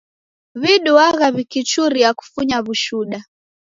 W'iduagha w'ikichuria kufunya w'ushuda.